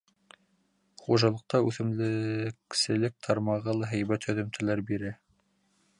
Хужалыҡта үҫемлекселек тармағы ла һәйбәт һөҙөмтәләр бирә.